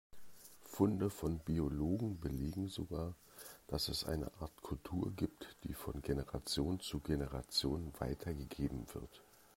Funde von Biologen belegen sogar, dass es eine Art Kultur gibt, die von Generation zu Generation weitergegeben wird.